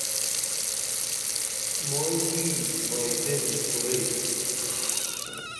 مائی یی بائیتین کُرئی